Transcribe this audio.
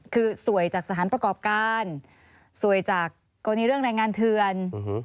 คือสวยจากสถานประกอบการสวยจากกรณีเรื่องแรงงานเถือน